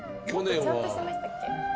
もっとちゃんとしてましたっけ？